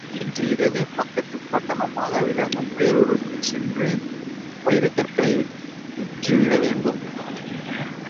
இன்று இரவே, பக்கத்துப் பட்டணமாக விளங்கும் பேருருக்குச் சென்று, வைரக்கற்களை விற்றுவிடவேண்டும்.